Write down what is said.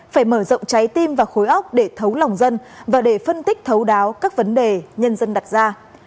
phải mở rộng trái tim và khối óc để thấu lòng dân và để phân tích thấu đáo các vấn đề nhân dân đặt ra